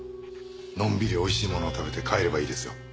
のんびりおいしいものを食べて帰ればいいですよ。